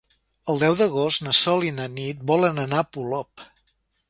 El deu d'agost na Sol i na Nit volen anar a Polop.